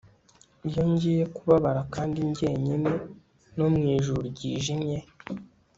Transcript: iyo ngiye kubabara kandi njyenyine, no mwijuru ryijimye